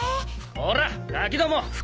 こらガキども！